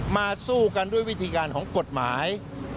สู้กันด้วยวิธีการของกฎหมาย